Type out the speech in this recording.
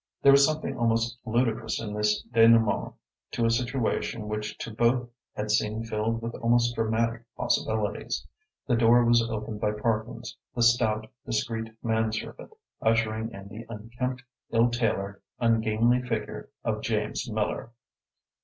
There was something almost ludicrous in this denouement to a situation which to both had seemed filled with almost dramatic possibilities. The door was opened by Parkins, the stout, discreet man servant, ushering in the unkempt, ill tailored, ungainly figure of James Miller.